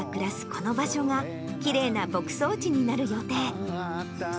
この場所が、きれいな牧草地になる予定。